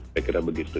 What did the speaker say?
saya kira begitu